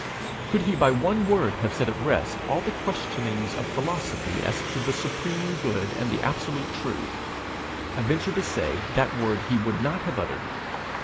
Could he by one word have set at rest all the questionings of philosophy as to the supreme good and the absolute truth, I venture to say that word he would not have uttered.